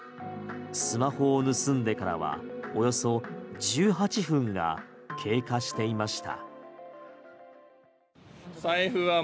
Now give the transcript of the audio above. スマホを盗んでからはおよそ１８分が経過していました。